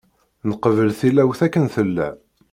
Nqebbel tilawt akken tella.